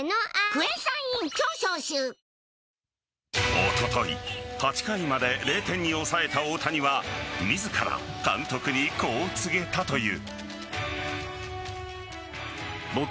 おととい８回まで０点に抑えた大谷は自ら監督にこう告げたという。